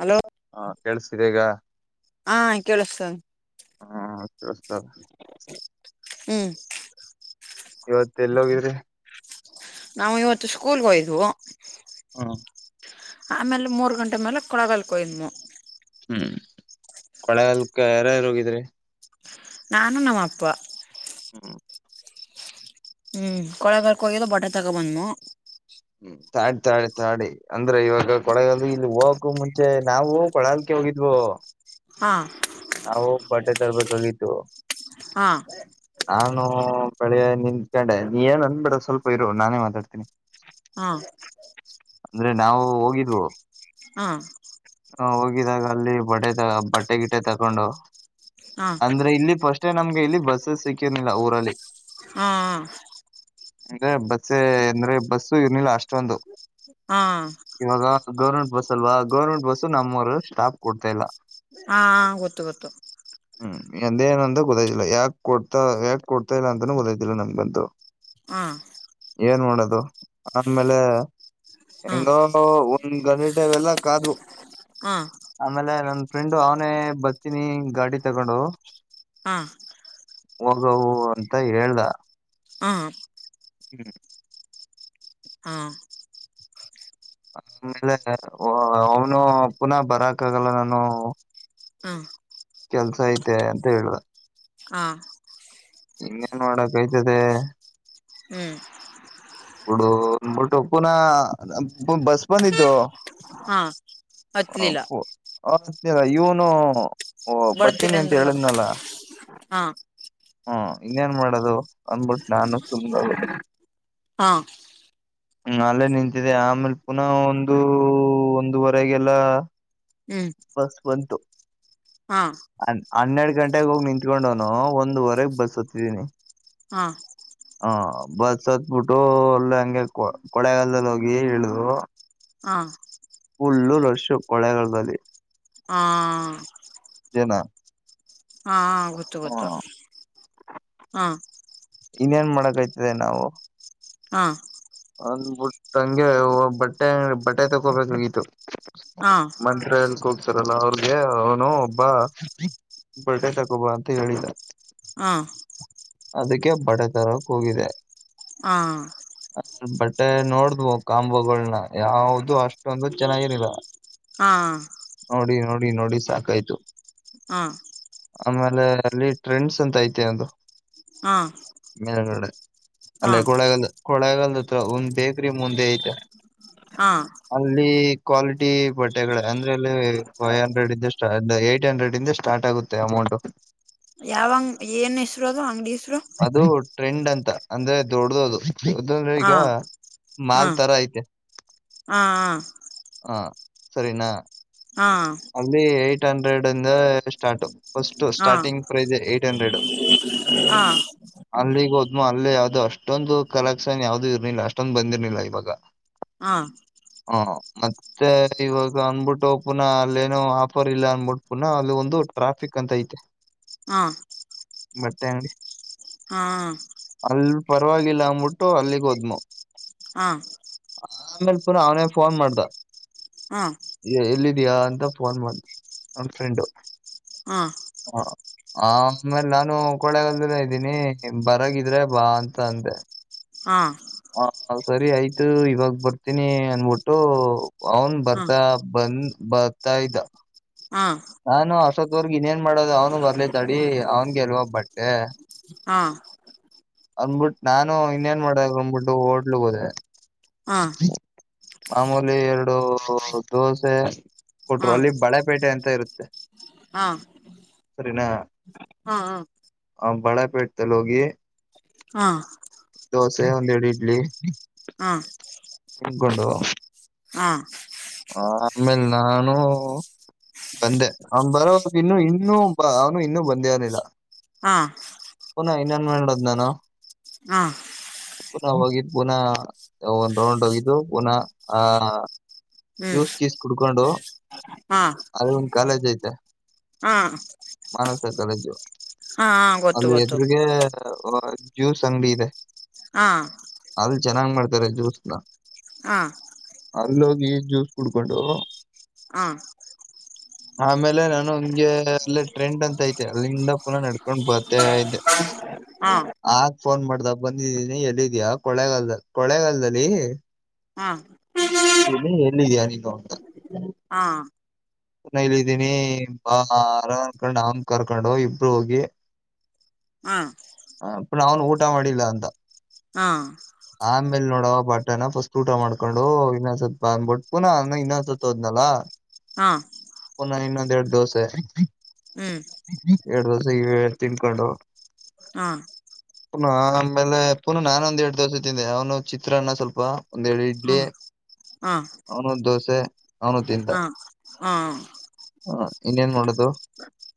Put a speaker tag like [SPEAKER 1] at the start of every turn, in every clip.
[SPEAKER 1] Hello
[SPEAKER 2] ಹಾ ಕೇಳ್ಸಿದೆ ಈಗ
[SPEAKER 1] ಹಾ ಕೇಳಿಸ್ತದ
[SPEAKER 2] ಹ್ಮಷ್ಟಸ್ತ
[SPEAKER 1] ಹ್ಮ್
[SPEAKER 2] ಇವತ್ ಎಲ್ಲಿ ಹೋಗಿದ್ರೆ
[SPEAKER 1] ನಾವು ಇವತ್ತು ಸ್ಕೂಲ್ಗೆ ಹೋಯ್ದ್ವು
[SPEAKER 2] ಹ್ಮ್
[SPEAKER 1] ಆಮೇಲೆ ಮೂರ್ ಗಂಟೆ ಮೇಲೆ ಕೊಳಗಲ್ಕಯ
[SPEAKER 2] ಹ್ಮ್ ಕೊಳೆಗಲ್ಕ್ ಯಾರಾರು ಹೋಗಿದ್ರಿ
[SPEAKER 1] ನಾನು ನಮ್ಮ ಅಪ್ಪ
[SPEAKER 2] ಹ್ಮ
[SPEAKER 1] ಹ್ಮ್ ಕೊಳಗರ್ ಕಯದ ಬಟಾ ತಗೊ ಬಂದ್ಮ
[SPEAKER 2] ಹ್ಮ ತಾಡಿ ತಾಳಿ ತಾಡಿ ಅಂದ್ರೆ ಇವಾಗ ಕೊಳಗ ಇಲ್ಲಿ ಹೋಗಕು ಮುಂಚೆ ನಾವು ಹ ಕೊಳಾಲ್ಕೆ ಹೋಗಿದ್ವೋ
[SPEAKER 1] ಹಾ
[SPEAKER 2] ನಾವು ಬಟ್ಟೆ ತರಬೇಕೋಗತ್ತುು
[SPEAKER 1] ಹಾ
[SPEAKER 2] ನಾನು ಬೆಳಿ ನಿನ್ಕೊಂಡೆ ನೀ ಏನ್ಂದ ಬಿಿಡ ಸ್ವಲ್ಪ ಇರು ನಾನೇ ಮಾತಾಡ್ತೀನಿ
[SPEAKER 1] ಹಾ
[SPEAKER 2] ಅಂದ್ರೆ ನಾವು ಹೋಗಿದ್ವು
[SPEAKER 1] ಹಾ
[SPEAKER 2] ಹ ಹೋಗಿದಾಗ ಅಲ್ಲಿ ಬಡೆ ಬಟ್ಟೆ ಗಿಟ ತಕೊಂಡು
[SPEAKER 1] ಹಾ
[SPEAKER 2] ಅಂದ್ರೆ ಇಲ್ಲಿ ಪಫಸ್ಟೇ ನಮ್ಗೆ ಇಲ್ಲಿ ಬಸ್ಸಸ್ ಸಿಕ್ಕಿರ್ನಿಲ್ಲ ಊರಲ್ಲಿ
[SPEAKER 1] ಹಾ ಹಾ ಹಾ
[SPEAKER 2] ಅಂದ್ರೆ ಬಸ್ ಅಂದ್ರೆ ಬಸ್ಸು ಇರ್ನಿಲ್ಲ ಅಷ್ಟೊಂದು
[SPEAKER 1] ಹಾ ಹಾ
[SPEAKER 2] ಇವಾಗ ಗೌರ್ಮೆಂಟ್ ಬಸ್ ಅಲ್ವಾ ಗೌರ್ಮೆಂಟ್ ಬಸ್ಸು ನಮ್ಮವರು ಸ್ಟಾಪ್ ಕೊಡ್ತಾ ಇಲ್ಲ
[SPEAKER 1] ಹಾ ಹಾ ಹಾ ಗೊತ್ತು ಗೊತ್ತು
[SPEAKER 2] ಹ್ಮ ಎಂದೇಏನು ಅಂದ ಗೊದಾಯ್ಿಲ್ಲ ಯಾಕ್ ಕೊಡ್ತಾ ಯಾಕಕ್ ಕೊಡ್ತಾ ಇಲ್ಲ ಅಂತನೂ ಗೊದೋ್ಿಲ್ಲ ನಮ್ಗಂತೂ
[SPEAKER 1] ಹ
[SPEAKER 2] ಏನ್ ಮಾಡೋಡದು ಆಮೇಲೆ
[SPEAKER 1] ಹಾ
[SPEAKER 2] ಹೆಂಗ ಒಂದ್ ಗಂಟೆವೆಲ್ಲ ಕಾದ್
[SPEAKER 1] ಹಾ
[SPEAKER 2] ಆಮೇಲೆ ನನ್ ಫ್ರೆಂಡು ಅವನೇ ಬರ್ತೀನಿ ಗಾಡಿ ತಗೊಂಡು
[SPEAKER 1] ಹಾ
[SPEAKER 2] ಹೋಗವು ಅಂತ ಹೇಳ್ದ
[SPEAKER 1] ಹ್ಮ
[SPEAKER 2] ಹ್ಮ
[SPEAKER 1] ಹ್ಮ
[SPEAKER 2] ಆಮೇಲೆ ಅವನು ಪುನಃ ಬರಕ ಆಾಗಲ್ಲ ನಾನು
[SPEAKER 1] ಹಾ
[SPEAKER 2] ಕೆಲ್ಸ ಐತೆ ಅಂತ ಹೇಳುದ
[SPEAKER 1] ಹಾ
[SPEAKER 2] ಇನ್ನೇನ್ ಮಾಡೋಡಕ್ೈ್ತದೆ
[SPEAKER 1] ಹ್ಮ್
[SPEAKER 2] ಹಡಟ್ಟೊಪುನ ಬಸ್ ಬಂದಿದ್ದು [unintelligible]
[SPEAKER 1] ಹಾ ಹತ್ಲಿಲ್ಲ
[SPEAKER 2] ಹ ಇವನು
[SPEAKER 1] ಬರ್ತೀರಿ
[SPEAKER 2] ಬರ್ತೀನಿ ಅಂತ
[SPEAKER 1] ಅಂದ್ರಲ್ಲ ಅದಕ್ಕ
[SPEAKER 2] ಹೇಳಿದ್ನಲ್ಲ
[SPEAKER 1] ಹಾ
[SPEAKER 2] ಹ್ಮ ಇನ್ನೇನ್ ಮಾಡೋದು ಅಂದಬಿಟ್ಟು ನಾನು ಸು
[SPEAKER 1] ಹಾ
[SPEAKER 2] ನಾಲೆ ನಿಂತಿದೆ ಆಮೇಲ್ ಪುನಃ ಒಂದು ಒಂದುವರೆಗೆಲ್ಲ
[SPEAKER 1] ಹ್ಮ್
[SPEAKER 2] ಬಸ್ ಬಂತು
[SPEAKER 1] ಹಾ
[SPEAKER 2] ಹನ್ನೆರಡು ಗಂಟೆೆಗೆ ಹೋಗಿ ನಿಂತ್ಕೊಂಡವನು ಒಂದ್ುವರೆಗೆ ಬಸ್ ತ್ತಿದೀನಿ
[SPEAKER 1] ಹಾ
[SPEAKER 2] ಹ ಬಾಸ್ ಅತ್ಬಿಟ್ಟು ಅಲ್ಲ ಹಂಗೆ ಕೊಳಗಾಲದಲ್ಲಿ ಹೋಗಿ ಇಳು
[SPEAKER 1] ಹಾ
[SPEAKER 2] ಫುಲ್ಲುರು ವರ್ಷ ಕೋಳೆಗಾಲದಲ್ಲಿ
[SPEAKER 1] ಹಾ
[SPEAKER 2] ನಾ [unintelligible]
[SPEAKER 1] ಹ ಗೊತ್ತು ಗೊತ್ತು ಹಾ
[SPEAKER 2] ಇನ್ೇನ್ ಮಾಡಕ್್ತದೆ ನಾವು
[SPEAKER 1] ಹಾ
[SPEAKER 2] ಹಂಗ್ಬಟ್ಟ ಹಂಗೆ ಬಟ್ಟೆ ಅ ಬಟ್ಟೆ ತಕೋಬೇಕಾಗಿತ್ತು
[SPEAKER 1] ಹಾ
[SPEAKER 2] ಮಂತ್ತ್ರ ಎಲ್ ಹೋಗ್ತಾರಲ್ಲ ಅವ್ರಗೆ ಅವನು ಒಬ್ಬ ಬಟೆಟಕ್ೊಬ್ಬ ಅಂತ ಹೇಳಿದ
[SPEAKER 1] ಹಾ
[SPEAKER 2] ಅದಕ್ಕೆ ಬಡೆ ತರಕ್ ಹೋಗಿದೆ
[SPEAKER 1] ಹಾ
[SPEAKER 2] ಬಟ್ಟೆ ನೋಡ್ದ್ವು ಕಾಂಬಗಳನ ಯಾವ್ದ ಅಷ್ಟೊಂದು ಚೆನ್ನಾಗಿರಿಲ್ಲ
[SPEAKER 1] ಹಾ
[SPEAKER 2] ನೋಡಿ ನೋಡಿ ನೋಡಿ ಸಾಕಾಯ್ತು
[SPEAKER 1] ಹಾ
[SPEAKER 2] ಆಮೇಲೆ ಅಲ್ಲಿ ಟ್ರೆಂಡ್ಸ್ ಅಂತ ಐತೆ ಒಂದು
[SPEAKER 1] ಹಾ
[SPEAKER 2] ಮೇಗಡೆ
[SPEAKER 1] ಹಾ
[SPEAKER 2] ಅಲ್ಲೇ ಕೊಳಗಲ್ ಕೊಳೆಗಲ್ ಹತ್ರ ಒಂದ್ ಬೇಕ್ರಿ ಮುಂದೆ ಐತ
[SPEAKER 1] ಹಾ
[SPEAKER 2] ಅಲ್ಲಿ ಕ್ವಾಲಿಟಿ ಬಟ್ಟೆಗಳ ಅಂದ್ರೆ ಇಲ್ಲಿ ಫೈವ್ ಹಂಡ್ರೆಡ್ ಇಂದ ಸ್ಟ ಏ್ಟಟ್ ಹಂಡ್ರೆಡ್ ಇಂದ ಸ್ಟಾರ್ಟ್ ಆಗುತ್ತೆ ಅಮೌಂಟ್ು [unintelligible]
[SPEAKER 1] ಯಾವಂಗ್ ಏನ್ ಹೆಸರು ಅದು ಅಂಗ್ಡಿ ಹೆಸರು
[SPEAKER 2] ಅದು ಟ್ರೆಂಡ್ ಅಂತ ಅಂದ್ರೆ ದೊಡ್ಡದು ಅದು ಹೌದ್ರ
[SPEAKER 1] ಹಾ
[SPEAKER 2] ಈಗ
[SPEAKER 1] ಹಾ
[SPEAKER 2] ಮಾಲ್ ತರ ಐತೆ
[SPEAKER 1] ಹಾ
[SPEAKER 2] ಹ ಸರಿನಾ
[SPEAKER 1] ಹಾ
[SPEAKER 2] ಅಲ್ಲಿ ಏಟ್ ಹಂಡ್ರೆಡ್ ಅಂದ ಸ್ಟಾರ್ಟ್ ಫಸ್ಟ್
[SPEAKER 1] ಹಾ
[SPEAKER 2] ಸ್ಟಾರ್ಟಿಂಗ್ ಪ್ರೈಸ್ ಏಟ್ ಹಂಡ್ರೆಡ್
[SPEAKER 1] ಹಾ
[SPEAKER 2] ಅಲ್ಲಿಗ ಹೋದ್್ಮ ಅಲ್ಲಿೇ ಯಾವವು್ದೋ ಅಷ್ಟೊಂದು ಕಲೆಕ್ಷನ್ ಯಾವ್ದು ಇರ್ಲಿಲ್ಲ ಅಷ್ಟೊಂದು ಬಂದಿರ್ಲಿಲ್ಲ ಇವಾಗ
[SPEAKER 1] ಹಾ
[SPEAKER 2] ಹಾ ಮತ್ತ ಮತ್ತೆ ಇವಾಗ ಅಂದಬಿಟ್ಟು ಪುನಃ ಅಲ್ಲೇನೋ ಆಫರ್ ಇಲ್ಲ ಅಂದಬಿಟ್ಟು ಪುನಃ ಅಲ್ಲಿ ಒಂದು ಟ್ರಾಫಿಕ್ ಅಂತ ಐತೆ
[SPEAKER 1] ಹಾ
[SPEAKER 2] ಬಟ್ಟೆ ಅಂಗಡಿ
[SPEAKER 1] ಹಾ
[SPEAKER 2] ಅಲ್ ಪರವಾಗಿಲ್ಲ ಅಂದ್ಬಿಟ್ಟು ಅಲ್ಲಿಗೆ ಹೋದ್್ಮ
[SPEAKER 1] ಹಾ
[SPEAKER 2] ಆಮೇಲೆ ಪುನ ಅವನೇ ಫೋನ್ ಮಾಡ್ದ
[SPEAKER 1] ಹಾ
[SPEAKER 2] ಎಲ್ಲಿದಯಾ ಅಂತ ಫೋನ್ ಮಾಡು ನನ್ ಫ್ರೆಂಡು
[SPEAKER 1] ಹಾ
[SPEAKER 2] ಹ ಆಮೇಲೆ ನಾನು ಕಳೆಗಾಲದ ್ದೀನಿ ಬರಗಿದ್ರೆ ಬಾ ಅಂತ ಅಂದೆ
[SPEAKER 1] ಹಾ
[SPEAKER 2] ಹ ಸರಿ ಆಯ್ತು ಇವಾಗ ಬರ್ತೀನಿ ಅನ್ಬಿಟ್ಟು ಅವನ್ ಬರ್ತ ಬಂದ ಬರ್ತಾಾಯ್ತಾ
[SPEAKER 1] [inaudible] ಹಾ
[SPEAKER 2] ನಾನು ಅಶೋತ್ವರ್ಗ್ ಇನ್ನೇನ್ ಮಾಡೋದು ಅವ್ನು ಬರ್ಲೇತಡಿ ಅವ್ನ್ಗೆಲ್ವ ಬಟ್ಟೆ
[SPEAKER 1] ಹಾ
[SPEAKER 2] ಅಂದ್ಬಿಟ್ಟ್ ನಾನು ಇನ್ನೇನ್ ಮಾಡದ್ ಅಂದ್ಬಿಟ್ಟು ಹೋಟ್ಲಗ್ ಹೋದೆ
[SPEAKER 1] ಹ್ಮ್
[SPEAKER 2] ಮಾಮೂಲಿ ಎರಡು ದೋಸೆ ಕೊಟ್ರು ಅಲ್ಲಿ ಬಳೆಪೇಟೆ ಅಂತ ಇರುತ್ತೆ
[SPEAKER 1] ಹಾ ಹಾ
[SPEAKER 2] ಸರಿನಾ
[SPEAKER 1] ಹ್ಮ್ ಹ್ಮ್
[SPEAKER 2] ಹ್ ಬಳೆಪೇಟದಲ್ಲ ಹೋಗಿ
[SPEAKER 1] ಹಾ
[SPEAKER 2] ದೋಸೆ ಒಂದ್ ಎರಡ್ ಇಡ್ಲಿ
[SPEAKER 1] ಹ್ಮ್
[SPEAKER 2] ತಕೊಂಡು
[SPEAKER 1] ಹ್ಮ್
[SPEAKER 2] ಆಮೇಲ್ ನಾನು ಬಂದೆ ಅವನ್ ಬರೋವರ್ಗ್ ಇನ್ನೂ ಇನ್ನೂ ಅವನು ಇನ್ನೂ ಬಂದೇರ್ಲಿಲ್ಲ
[SPEAKER 1] ಹ್ಮ್
[SPEAKER 2] ಪುನಃ ಇನ್ನೇನ್ ಮಾಡೋದ್ ನಾನು
[SPEAKER 1] ಹ್ಮ್
[SPEAKER 2] ಪುನಃ ಹೋಗಿ ಪುನಃ ಒಂದ್ ರೌಂಡ್ ಹೋಗಿದ್ದು ಪುನಃ ಆ
[SPEAKER 1] ಹ್ಮ್
[SPEAKER 2] ಜ್ಯೂಸ್ ಗೀಸ್ ಕುಡ್ಕೊಂಡು
[SPEAKER 1] ಹಾ
[SPEAKER 2] ಅಲ್ ಒಂದ್ ಕಾಲೇಜ್ ಐತೆ
[SPEAKER 1] ಹಾ
[SPEAKER 2] ಮಾನಸ ಕಾಲೇಜು
[SPEAKER 1] ಹಾ ಗೊತ್ತು
[SPEAKER 2] ಅದ್ರ್
[SPEAKER 1] ಗೊತ್ತು
[SPEAKER 2] ಎದ್ರ್ಗೆ ಒ ಜ್ಯೂಸ್ ಅಂಗಡಿ ಇದೆ
[SPEAKER 1] ಹಾ
[SPEAKER 2] ಅಲ್ ಚೆನ್ನಾಗ್ ಮಾಡ್ತಾರೆ ಜ್ಯೂಸ್ನಾ
[SPEAKER 1] ಹ
[SPEAKER 2] ಅಲ್ಲೋಗಿ ಜ್ಯೂಸ್ ಕುಡ್ಕೊಂಡು
[SPEAKER 1] [inaudible]
[SPEAKER 2] ಆಮೇಲೆ ನಾನು ಹಂಗೆ ಅಲ್ಲೇ ಟ್ರೆಂಡ್ ಅಂತ ಐತೆ ಅಲ್ಲಿಂದ ಪುನಃ ನಡ್ಕೊಂಡ್ ಬರ್ತಾ ಇದ್ದೆ
[SPEAKER 1] ಹ್ಮ್
[SPEAKER 2] ಆಗ್ ಫೋನ್ ಮಾಡ್ದಗ್ ಬಂದಿದ್ದೀನಿ ಎಲ್ಲಿದಿಯ ಕೊಳೆಗಾಲದ್ ಕೊಳೆಗಾಲದಲ್ಲಿ
[SPEAKER 1] ಹ್ಮ್
[SPEAKER 2] ನ್ನಿ ಎಲ್ಲಿದಿಯಾ ನೀನು
[SPEAKER 1] ಹ್ಮ್
[SPEAKER 2] ನಾ ಇಲ್ಲಿದಿನಿ ಬಾರೊ ಅನಕೊಂಡ್ ಅವನ್ ಕರ್ಕೊಂಡ್ ಇಬ್ರು ಹೋಗಿ
[SPEAKER 1] ಹ್ಮ್
[SPEAKER 2] ಹ ಪುನಃ ಅವನ್ ಊಟ ಮಾಡಿಲ್ಲ ಅಂದ್
[SPEAKER 1] ಹ
[SPEAKER 2] ಆಮೇಲೆ ನೋಡವ ಬಟ್ಟೆನ್ ಫಸ್ಟ್ ಊಟ ಮಾಡ್ಕೊಂಡು ಇನ್ನೊಂದ್ ಸ್ವಲ್ಪ ಬಾ ಅಂದಬಿಟ್ಟ ಪುನಃ ಇನ್ನೂಂದ ಸತ್ ಹೋದ್ನಲ
[SPEAKER 1] ಹಾ
[SPEAKER 2] ಪುನಃ ಇನ್ನೊಂದೆರಡ್ ದೋಸೆ
[SPEAKER 1] ಹ್ಮ್
[SPEAKER 2] ಎರಡ್ ದೋಸೆ ತಿನ್ಕೊಂಡು
[SPEAKER 1] ಹ
[SPEAKER 2] ಪುನ ಆಮೇಲೆ ಪುನಃ ನಾನ್ ಒಂದ್ ಎರಡ್ ದೋಸೆ ತಿಂದೆ ಅವನು ಚಿತ್ರಾನ್ನ ಸ್ವಲ್ಪ ಒಂದ್ ಎರಡ್ ಇಡ್ಲಿ
[SPEAKER 1] [inaudible]
[SPEAKER 2] ಅವನೂಂದ್ ದೋಸೆ ಅವನು ತಿಂದ
[SPEAKER 1] ಹಾ ಹಾ
[SPEAKER 2] ಹ ಇನ್ನೇನ್ ಮಾಡದು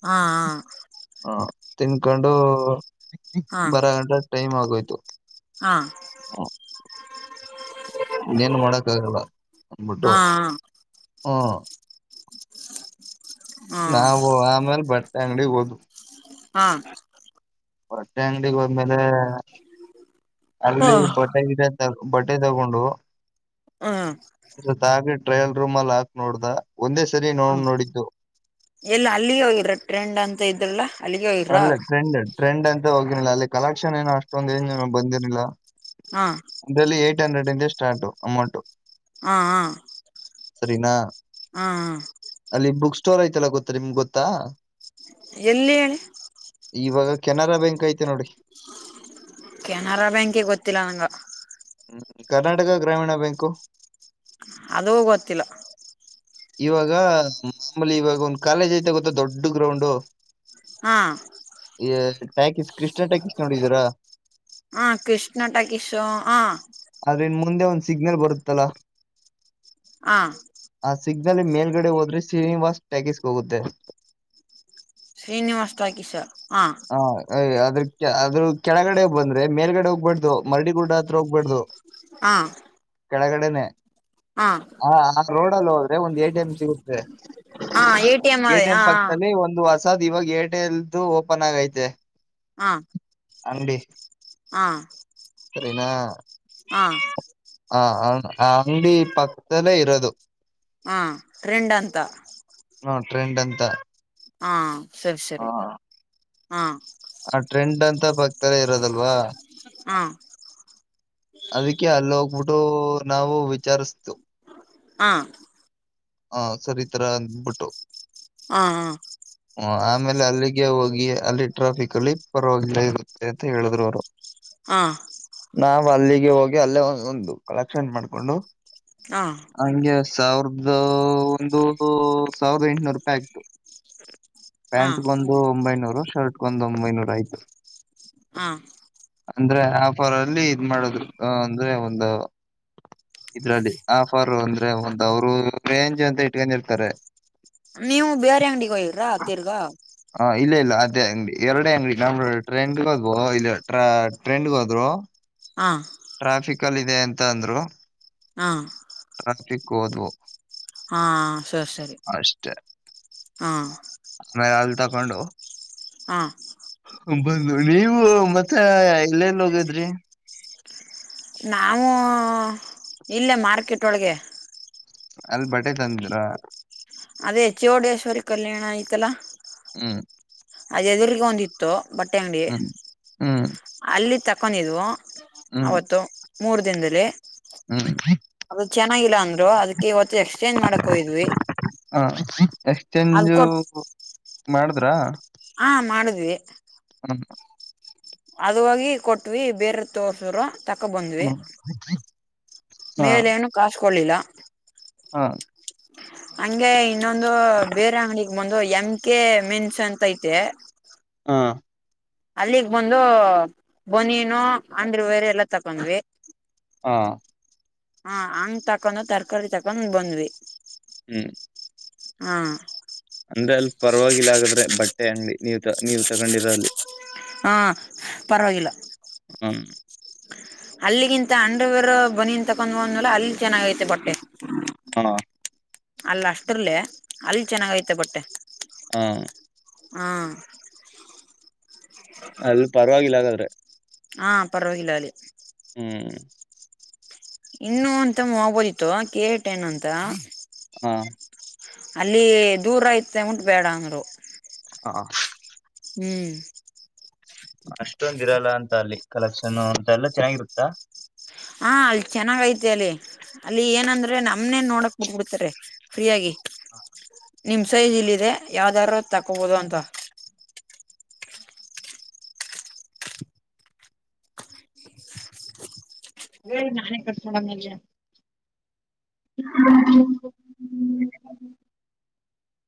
[SPEAKER 1] ಹಾ
[SPEAKER 2] ಹ ತಿನ್ಕೊಂಡು
[SPEAKER 1] ಹಾ ಹಾ
[SPEAKER 2] ಬರ ಗಂಟೆ ಟೈಮ್ ಆಗೋಯ್ತು.
[SPEAKER 1] ಹಾ
[SPEAKER 2] ಹಾ. ಇನ್ನೇನ್ ಮಾಡಕ್ಕ ಆಗಲ್ಲ ಅಂದಬಿಟ್ಟು
[SPEAKER 1] ಹಾ
[SPEAKER 2] ಹ್ಮ.
[SPEAKER 1] ಹಾ ಹಾ
[SPEAKER 2] ನಾವು ಆಮೇಲೆ ಬಟ್ಟೆ ಅಂಗಡಿ ಹೋದು.
[SPEAKER 1] ಹಾ
[SPEAKER 2] [inaudible] ಬಟ್ಟೆ ಅಂಗಡಿಗೆ ಹೋದಮೇಲೆ. ಅಲ್ಲಿ ಬಟ್ಟೆ
[SPEAKER 1] ಹ್ಮ್
[SPEAKER 2] ಗಿಟ್ಟೆ ಬಟ್ಟೆ ತಗೊಂಡು.
[SPEAKER 1] ಹ್ಮ.
[SPEAKER 2] [unintelligible] ಟ್ರಯಲ್ ರೂಮ ಅಲ್ಲಿ ಹಾಕ್ ನೋಡ್ದ ಒಂದೇ ಸರಿ ನೋಡ್
[SPEAKER 1] ಹ್ಮ್
[SPEAKER 2] ನೋಡಿದ್ದು.
[SPEAKER 1] ಎಲ್ಲ ಅಲ್ಲಿ ಹೋಗ್ರ ಟ್ರೆಂಡ್ ಅಂತ ಇದ್ರಲ್ಲ. ಅಲ್ಲಿಗೆ ಹೋಗಿರ
[SPEAKER 2] ಅಲ್ಲ ಟ್ರೆಂಡ್ ಟ್ರೆಂಡ್ ಅಂತ ಹೋಗಿರಲಿಲ್ಲ ಅಲ್ಲಿ ಕಲೆಕ್ಷನ್ ಏನು ಅಷ್ಟೊಂದ ಏನು ಬಂದಿರಲಿಲ್ಲ.
[SPEAKER 1] ಹಾ.
[SPEAKER 2] ಬೆಲೆ ಏಟ್ ಹಂಡ್ರೆಡ್ ಇಂದ ಸ್ಟಾರ್ಟು ಅಮೌಂಟ್.
[SPEAKER 1] ಹಾ ಹಾ.
[SPEAKER 2] ಸರಿನಾ
[SPEAKER 1] ಹಾ
[SPEAKER 2] ಅಲ್ಲಿ ಬುಕ್ ಸ್ಟೌಲ್ ಐತಲ್ಲ ಗೊತ್ತರಿ ನಿಮ್ಗೆ ಗೊತ್ತಾ.
[SPEAKER 1] ಎಲ್ಲಿ ಹೇಳಿ.
[SPEAKER 2] ಇವಾಗ ಕೆನರಾ ಬ್ಯಾಂಕ್ ಐತೆ ನೋಡಿ.
[SPEAKER 1] ಕೆನರಾ ಬ್ಯಾಂಕ ಗೊತ್ತಿಲ್ಲ ನಂಗ.
[SPEAKER 2] ಹ್ಮ್ ಕರ್ನಾಟಕ ಗ್ರಾಮೀಣ ಬ್ಯಾಂಕು.
[SPEAKER 1] ಅದು ಗೊತ್ತಿಲ್ಲ.
[SPEAKER 2] ಇವಾಗ ಮಾಮೂಲಿ ಇವಾಗ ಒಂದ್ ಕಾಲೇಜ್ ಐತೆ ಗೊತ್ತ ದೊಡ್ಡ ಗ್ರೌಂಡ್.
[SPEAKER 1] ಹಾ.
[SPEAKER 2] ಈ ಟ್ಯಾಕಿಸ್ ಕೃಷ್ಣ ಟ್ಯಾಕಿಸ್ ನೋಡಿದೀರಾ.
[SPEAKER 1] ಹಾ ಕೃಷ್ಣ ಟಕಿಶೋ ಹ.
[SPEAKER 2] ಆದ್ರ ಇನ್ ಮುಂದೆ ಒಂದ್ ಸಿಗ್ನಲ್ ಬರುತ್ತಲ್ಲಾ.
[SPEAKER 1] ಹಾ.
[SPEAKER 2] ಆ ಸಿಗ್ನಲ್ ಮೇಲ್ಗಡೆ ಹೋದ್ರೆ ಶ್ರೀನಿವಾಸ್ ಟ್ಯಾಕೀಸ್ಗೆ ಹೋಗುತ್ತೆ.
[SPEAKER 1] ಶ್ರೀನಿವಾಸ ಟಾಕೀಸ್ ಹ.
[SPEAKER 2] ಹಾಯ ಅದ್ರ ಅದ್ರ ಕೆಳಗಡೆ ಬಂದ್ರೆ ಮೇಲ್ಗಡೆ ಹೋಗ್ಬಾರ್ದು ಮರಡಿ ಗುಡ್ಡ ಹತ್ರ ಹೋಗ್ಬಾರಡ್ದು.
[SPEAKER 1] ಹಾಂ.
[SPEAKER 2] ಕೆಳಗಡೆನೆ.
[SPEAKER 1] ಹಾ.
[SPEAKER 2] ಹಾ ಆ ರೋಡಲ್ಲಿ ಹೋದ್ರೆ ಒಂದು ಏ ಟ ಎಂ ಸಿಗುತ್ತೆ.
[SPEAKER 1] ಹಾ ಎ ಟಿ ಎಂ ಅದೇ
[SPEAKER 2] ಎಟಿಎಂ
[SPEAKER 1] ಹಾ
[SPEAKER 2] ಪಕ್ಕದಲ್ಲಿ ಒಂದು ಹೊಸದ್ ಇವಾಗ ಏರ್ಟೆಲ್ದು ಓಪನ್ ಆಗೈತೆ.
[SPEAKER 1] ಹಾ.
[SPEAKER 2] ಅಂಗಡಿ.
[SPEAKER 1] ಹಾ.
[SPEAKER 2] ಸರಿನಾ.
[SPEAKER 1] ಹಾ.
[SPEAKER 2] ಹ ಅಂಗಡಿ ಪಕ್ಕಲ್ಲೇ ಇರೋದು.
[SPEAKER 1] ಹಾ. ಟ್ರೆಂಡ್ ಅಂತಾ.
[SPEAKER 2] ಹಾ ಟ್ರೆಂಡ್ ಅಂತ.
[SPEAKER 1] ಹಾ ಸರಿ
[SPEAKER 2] ಆ,
[SPEAKER 1] ಸರಿ ಹಾ.
[SPEAKER 2] ಆ ಟ್ರೆಂಡ್ ಅಂತ ಪಕ್ಕದಲ್ಲೇ ಇರೋದಲ್ವಾ.
[SPEAKER 1] ಹಾ
[SPEAKER 2] ಅದಕ್ಕೆ ಅಲ್ಲಿ ಹೋಗ್ಬಿಟ್ಟು ನಾವು ವಿಚಾರಿಸತು
[SPEAKER 1] ಹಂ
[SPEAKER 2] ಹ ಸರಿ ಇತರಬಿಟ್ಟು
[SPEAKER 1] ಹಾ
[SPEAKER 2] ಹ ಆಮೇಲೆ ಅಲ್ಲಿಗೆ ಹೋಗಿ ಅಲ್ಲಿ ಟ್ರಾಫಿಕ್ ಅಲ್ಲಿ ಪರವಾಗಿಲ್ಲ ಇರುತ್ತೆ ಅಂತ ಹೇಳಿದ್ರು ಅವರು
[SPEAKER 1] ಹಾ
[SPEAKER 2] ನಾವ್ ಅಲ್ಲಿಗೆ ಹೋಗಿ ಅಲ್ಲೇ ಒ ಒಂದು ಕಲೆಕ್ಷನ್ ಮಾಡ್ಕೊಂಡು
[SPEAKER 1] ಹಾ
[SPEAKER 2] ಹಂಗೆ ಸಾವಿರದ ಒಂದು ಸಾವಿರದ ಎಂಟನೂರು ರೂಪಾಯಿ ಆಗ್ತು
[SPEAKER 1] ಹಾ
[SPEAKER 2] ಪ್ಯಾಂಟ್ಗೊಂದು ಒಂಬೈನೂರು ಶರ್ಟ್ಗೊಂದು ಒಂಬೈನೂರ ಆಯ್ತು
[SPEAKER 1] ಹಾ
[SPEAKER 2] ಅಂದ್ರೆ ಆಫ್ ಅವರ್ ಅಲ್ಲಿ ಇದ್ ಮಾಡದ್ ಅಂದ್ರೆ ಒಂದು ಇದ್ರಲ್ಲಿ ಆಫರ್ ಅಂದ್ರೆ ಒಂದ್ ಅವರು ರೇಂಜ್ ಅಂತ ಇಟ್ಕೊಂಡ ಇರ್ತಾರೆ
[SPEAKER 1] ನೀವು ಬೇರೆ ಅಂಗಡಿಗೆ ಹೋಗರಾ ತ್ತಿರ್ಗಾ
[SPEAKER 2] ಹ ಇಲ್ಲ ಇಲ್ಲ ಅದೇ ಅಂಗಡಿ ಎರಡ ಅಂಗಡಿ ನಮ ಟ್ರೆಂಡ್ಗದ ಇ ಟ್ರೆಂಡ್ಗ ಹೋದ್ರು
[SPEAKER 1] ಹಾ
[SPEAKER 2] ಟ್ರಾಫಿಕ್ ಅಲ್ಲಿ ಇದೆ ಅಂತ ಅಂದ್ರು
[SPEAKER 1] ಹಾ
[SPEAKER 2] ಟ್ರಾಫಿಕ್ ಒದ್ವು
[SPEAKER 1] ಹಾ ಸರಿ ಸರಿ ಹಾ
[SPEAKER 2] ಆಮೇಲೆ ಅಲ್ ತಕೊಂಡು
[SPEAKER 1] ಹಾಂ
[SPEAKER 2] ಬ ನೀವು ಮತ್ತೆ ಎಲ್ಲೆಲ್ಲಿ ಹೋಗದ್ರಿ
[SPEAKER 1] ನಾವು ಇಲ್ಲೇ ಮಾರ್ಕೆಟ್ ಒಳಗೆ
[SPEAKER 2] ಅಲ್ಲಿ ಬಟ್ಟೆ ತಂದ್ರ
[SPEAKER 1] ಅದೇ ಚೌಡೇಶ್ವರಿ ಕಲ್ಯಾಣ ಆಯ್ತಲ್ಲಾ
[SPEAKER 2] ಹ್ಮ್
[SPEAKER 1] ಅದ ಎದುರಿಗೆ ಒಂದಿತ್ತು ಬಟ್ಟೆ ಅಂಗಡಿ
[SPEAKER 2] ಹ್ಮ್ ಹ್ಮ್
[SPEAKER 1] ಅಲ್ಲಿ ತಕೊಂಡಿದ್ವು ಅವತ್ತು ಮೂರು ದಿನದಲ್ಲಿ
[SPEAKER 2] ಹ್ಮ
[SPEAKER 1] ಅದು ಚೆನ್ನಾಗಿಲ್ಲ ಅಂದ್ರು ಅದಕ್ಕೆ ಇವತ್ತು ಎಕ್ಸ್ ಚೇಂಜ್ ಮಾಡಕ ಹೋಗಿದ್ವಿ
[SPEAKER 2] ಹಾ ಎಕ್ಸ್
[SPEAKER 1] ಅದ್
[SPEAKER 2] ಚೇಂಜು
[SPEAKER 1] ಕೊಟ್ಟ
[SPEAKER 2] ಮಾಡಿದ್ರಾ
[SPEAKER 1] ಹಾ ಮಾಡುದ್ವಿ
[SPEAKER 2] ಹ್ಮ್
[SPEAKER 1] ಅದೋಗಿ ಕೊಟ್ವಿ ಬೇರೆ ತೋಸರು ತಕೋಬಂದ್ವಿ
[SPEAKER 2] [inaudible] ಹಾ
[SPEAKER 1] ಮೇಲೆ ಏನು ಕಾಸ್ ಕೊಳ್ಳಲಿಲ್ಲ
[SPEAKER 2] ಹಾ
[SPEAKER 1] ಹಂಗೆ ಇನ್ನೊಂದು ಬೇರೆ ಅಂಗಡಿಗೆ ಬಂದು ಎಮ ಕೆ ಮೆನ್ಸ್ ಅಂತ ಐತೆ
[SPEAKER 2] ಹಾ
[SPEAKER 1] ಅಲ್ಲಿಗ್ ಬಂದು ಬನಿ ಬನಿಯನ್ ಆಂಡ್ರ ವೇರೆ ಎಲ್ಲಾ ತಗೊಂದ್ವಿ
[SPEAKER 2] ಹಾ
[SPEAKER 1] ಹಾ ಹಂಗ ತಕೊಂಡ ತರಕಾರಿ ತಕೊಂಡ ಬಂದ್ವಿ
[SPEAKER 2] ಹ
[SPEAKER 1] ಹಾ
[SPEAKER 2] ಅಂದ್ರೆ ಅಲ್ಲಿ ಪರವಾಗಿಲ್ಲ ಆಗದ್ರೆ ಬಟ್ಟೆ ಅಂಗಡಿ ನೀವ್ ತ ನೀವ್ ತಗೊಂಡಿರ ಅಲ್ಲಿ
[SPEAKER 1] ಹಾಂ ಪರವಾಗಿಲ್ಲಾ
[SPEAKER 2] ಹ್ಮ್
[SPEAKER 1] ಅಲ್ಲಿಗಿಂತ ಅಂಡ್ರವೇರ್ ಬನಿನ್ ತಕೊಂಡ್ ಹೋದ್ನಲ್ಲ ಅಲ್ಲಿ ಚೆನ್ನಾಗ್ ಐತೆ ಬಟ್ಟೆ
[SPEAKER 2] ಹಾಂ
[SPEAKER 1] ಅಲ್ ಅಷ್ಟರ್ಲೆ ಅಲ್ಲಿ ಚೆನ್ನಾಗ ಐತೆ ಬಟ್ಟೆ
[SPEAKER 2] ಹ್ಮ್
[SPEAKER 1] ಅಂ
[SPEAKER 2] ಅಲ್ ಪರವಾಗಿಲ್ಲ ಹಾಗಾದ್ರೆ
[SPEAKER 1] ಹಾ ಪರ್ವಾಗಿಲ್ಲ ಅಲ್ಲಿ
[SPEAKER 2] ಹ್ಮ್
[SPEAKER 1] ಇನ್ನು ಅಂತ ಆಗ್ಬೋದಿತ್ತು ಕೇಟೇನ್ ಅಂತ
[SPEAKER 2] ಹಾಂ
[SPEAKER 1] ಅಲ್ಲಿ ದೂರ ಐತೆ ಉಂಟು ಬೇಡ ಅಂದ್ರು
[SPEAKER 2] ಹಾಂ
[SPEAKER 1] ಹ್ಮ್
[SPEAKER 2] ಅಷ್ಟೊಂದ ಇರಲ್ಲ ಅಂತ ಅಲ್ಲಿ ಕಲೆಕ್ಷನ್ ಅಂತ ಎಲ್ಲ ಚೆನ್ನಾಗಿರುತ್ತಾ
[SPEAKER 1] ಹಾ ಅಲ್ಲಿ ಚೆನ್ನಾಗ್ ಐತೆ ಅಲ್ಲಿ ಅಲ್ಲಿ ಏನಂದ್ರೆ ನಮ್ನೆ ನೋಡಕ್ ಬಿಟ್ಬಿಡ್ತಾರ ಫ್ರೀ ಆಗಿ ನಿಮ್ ಸೈಜ್ ಇಲ್ಲಿದೆ ಯಾವ್ದಾರ ತಕೋಬಹದು ಅಂತ
[SPEAKER 2] ಏ ನಾನೇ ಕಟ್ [unintelligible] [inaudible] [unintelligible]